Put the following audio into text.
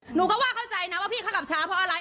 หนูก็ว่าเข้าใจนะว่าพี่เขากลับช้าเพราะอะไร